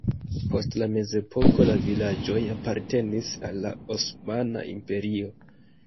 Post la mezepoko la vilaĝoj apartenis al la Osmana Imperio.